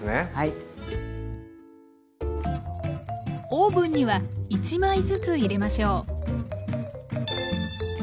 オーブンには１枚ずつ入れましょう。